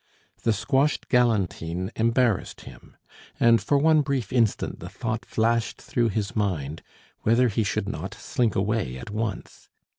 The squashed galantine embarrassed him, and for one brief instant the thought flashed through his mind, whether he should not slink away at once.